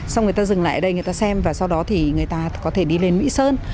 xong người ta dừng lại ở đây người ta xem và sau đó thì người ta có thể đi lên mỹ sơn